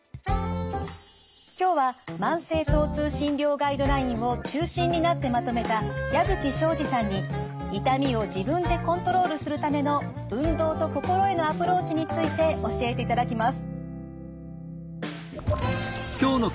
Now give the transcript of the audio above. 今日は慢性疼痛診療ガイドラインを中心になってまとめた矢吹省司さんに痛みを自分でコントロールするための運動と心へのアプローチについて教えていただきます。